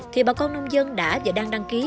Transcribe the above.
thì bà con nông dân đã và đăng ký